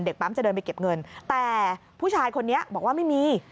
ปั๊มจะเดินไปเก็บเงินแต่ผู้ชายคนนี้บอกว่าไม่มี